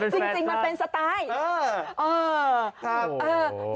จริงมันเป็นสไตล์